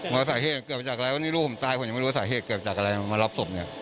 ว่าสาเหตุเกิดมาจากอะไรวันนี้ลูกผมตายผมยังไม่รู้สาเหตุเกิดจากอะไรมารับศพเนี่ย